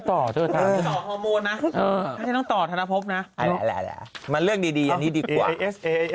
ต่อถ้าต่อฮอร์โมนนะต่อธนาภพนะมาเลือกดีอันนี้ดีกว่า